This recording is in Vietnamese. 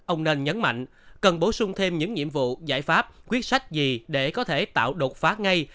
ông nên nhấn mạnh cần bổ sung thêm những nhiệm vụ giải pháp quyết sách gì để có thể tạo đột phá ngay